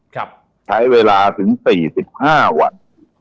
ใช้เวลาถึง๔๕วัน